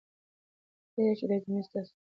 هیله ده چې دا جملې ستاسو خوښې شوې وي.